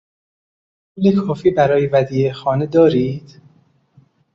پول کافی برای ودیعهی خانه دارید؟